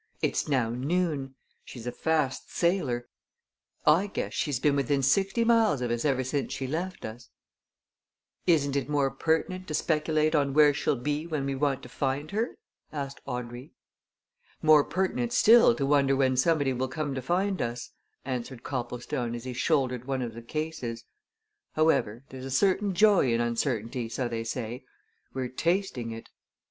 It's now noon she's a fast sailer I guess she's been within sixty miles of us ever since she left us." "Isn't it more pertinent to speculate on where she'll be when we want to find her?" asked Audrey. "More pertinent still to wonder when somebody will come to find us," answered Copplestone as he shouldered one of the cases. "However, there's a certain joy in uncertainty, so they say we're tasting it."